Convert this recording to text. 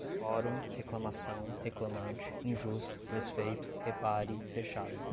quorum, reclamação, reclamante, injusto, desfeito, repare, fechado